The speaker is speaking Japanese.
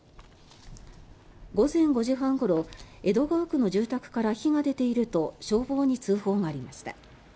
午前５時半ごろ江戸川区の住宅から火が出ていると消防に通報がありました。